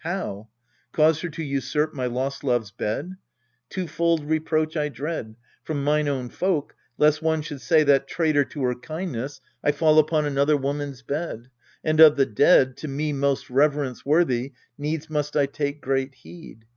How ! cause her to usurp my lost love's bed ? Twofold reproach I dread from mine own folk, Lest one should say that, traitor to her kindness, I fall upon another woman's bed And of the dead, to me most reverence worthy, Needs must I take great heed.